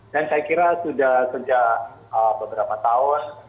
dan saya kira sudah sejak beberapa tahun